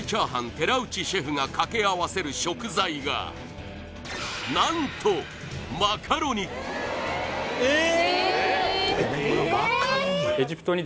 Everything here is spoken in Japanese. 寺内シェフが掛け合わせる食材がなんとマカロニマカロニ？